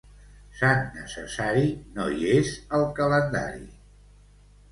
Sant Necessari no hi és al calendari.